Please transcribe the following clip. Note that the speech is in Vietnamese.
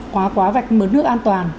quá quá vạch mượn nước an toàn